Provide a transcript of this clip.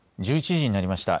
１１時になりました。